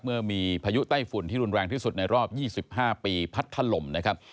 เมื่อมีพายุไต้ฝุ่นที่รุนแรงที่สุดในรอบ๒๕ปีพัดถล่มนะครับ